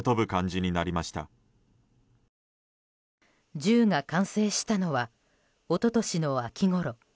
銃が完成したのは一昨年の秋ごろ。